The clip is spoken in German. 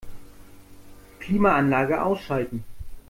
Klimaanlage ausschalten.